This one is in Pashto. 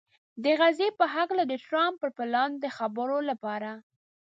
د غزې په هکله د ټرمپ پر پلان د خبرو لپاره